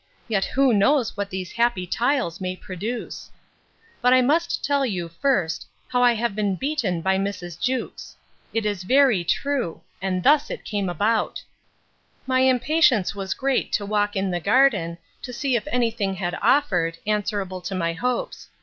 Yet who knows what these happy tiles may produce! But I must tell you, first, how I have been beaten by Mrs. Jewkes! It is very true!—And thus it came about: My impatience was great to walk in the garden, to see if any thing had offered, answerable to my hopes.